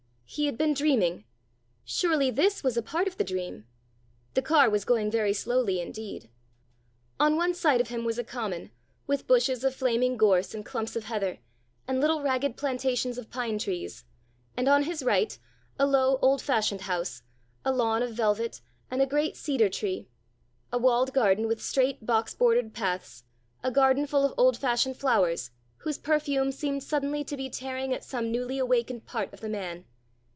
He had been dreaming. Surely this was a part of the dream! The car was going very slowly indeed. On one side of him was a common, with bushes of flaming gorse and clumps of heather, and little ragged plantations of pine trees; and on his right, a low, old fashioned house, a lawn of velvet, and a great cedar tree; a walled garden with straight, box bordered paths, a garden full of old fashioned flowers whose perfume seemed suddenly to be tearing at some newly awakened part of the man.